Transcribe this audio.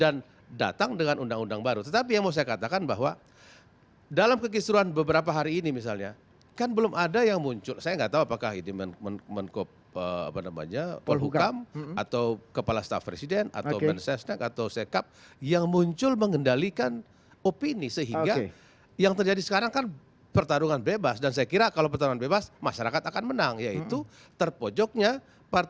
ada gegap gempita soal dari mulai wahyu sampai menterinya